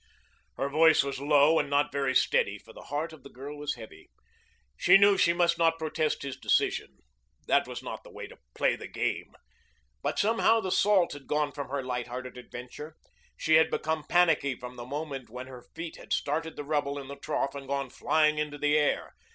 Her voice was low and not very steady, for the heart of the girl was heavy. She knew she must not protest his decision. That was not the way to play the game. But somehow the salt had gone from their light hearted adventure. She had become panicky from the moment when her feet had started the rubble in the trough and gone flying into the air.